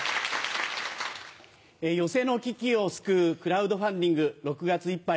寄席の危機を救うクラウドファンディング６月いっぱい